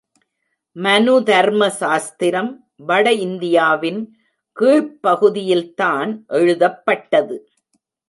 மனுதர்ம சாஸ்திரம் வட இந்தியாவின் கீழ்ப்பகுதியில்தான் எழுதப்பட்டது!